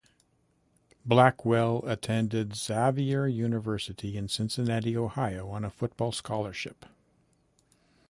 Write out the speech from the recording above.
Blackwell attended Xavier University in Cincinnati, Ohio on a football scholarship.